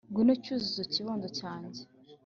Ngwino Cyuzuzo kibondo cyanjye